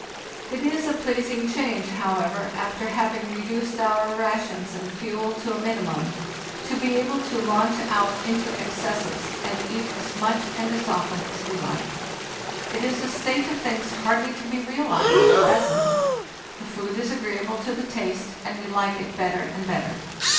"It is a pleasing change, however, after having re duced our rations and fuel to a minimum to be able to launch out into excesses, and eat as much and as often as we like. It is a state of things hardly to be realized at present. The food is agreeable to the taste, and we like it better and better.